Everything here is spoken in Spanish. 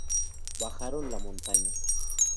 Bajaron la montaña.